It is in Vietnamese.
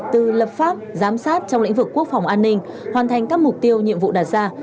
từ lập pháp giám sát trong lĩnh vực quốc phòng an ninh hoàn thành các mục tiêu nhiệm vụ đặt ra